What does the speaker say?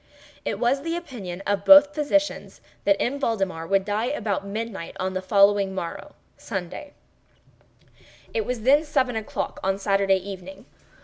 It was the opinion of both physicians that M. Valdemar would die about midnight on the morrow (Sunday). It was then seven o'clock on Saturday evening.